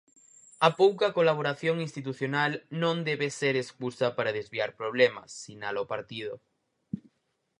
A pouca colaboración institucional non debe ser escusa para desviar problemas, sinala o partido.